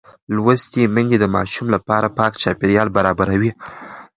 لوستې میندې د ماشوم لپاره پاک چاپېریال برابروي.